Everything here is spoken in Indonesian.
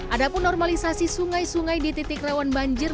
adapun normalisasi sungai sungai di titik rawan banjir